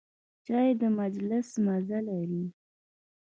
چای د مجلس مزه لري.